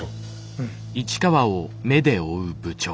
うん。